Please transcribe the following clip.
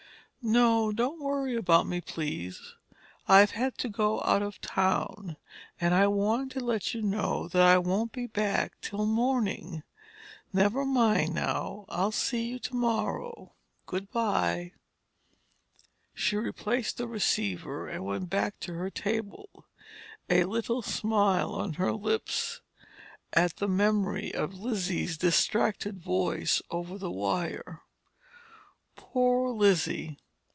"Don't worry about me, please. I've had to go out of town, and I wanted to let you know that I won't be back till morning. Never mind, now. I'll see you tomorrow. Good by!" She replaced the receiver and went back to her table, a little smile on her lips at the memory of Lizzie's distracted voice over the wire. "Poor Lizzie!